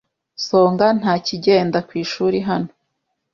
Songa ntakigenda ku ishuri hano.